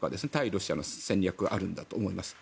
ロシアの戦略はあるんだと思います。